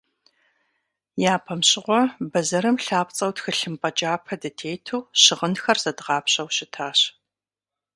Япэм щыгъуэ бэзэрым лъапцӏэу тхылъымпӏэ кӏапэ дытету щыгъынхэр зэдгъапщэу щытащ.